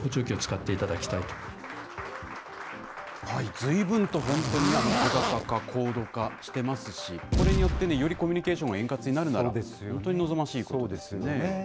ずいぶんと本当に小型化、高度化してますし、これによって、よりコミュニケーションが円滑になるならば、本当に望ましいことそうですよね。